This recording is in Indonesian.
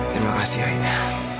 terima kasih aida